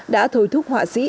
đã thôi thúc họa sĩ